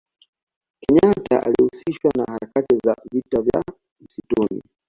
kenyata alihusishwa na harakati za vita vya msituni